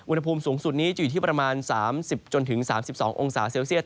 อุณหภูมิสูงสุดนี้จะอยู่ที่ประมาณ๓๐๓๒องศาเซลเซียต